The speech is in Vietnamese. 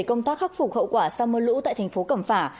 công tác khắc phục hậu quả sau mưa lũ tại thành phố cẩm phả